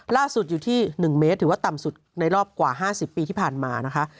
ล่าสุดอยู่ที่๑เมตรถือว่าต่ำสุดในรอบกว่า๕๐ปีที่ผ่านมานะคะ